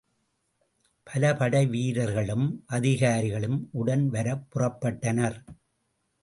பல படை வீரர்களும், அதிகாரிகளும் உடன் வரப் புறப்பட்டனர்.